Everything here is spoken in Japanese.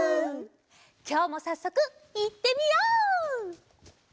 きょうもさっそくいってみよう！